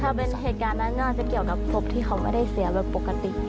ถ้าเป็นเหตุการณ์นั้นน่าจะเกี่ยวกับศพที่เขาไม่ได้เสียแบบปกติ